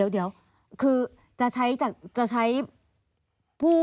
เดี๋ยวคือจะใช้ผู้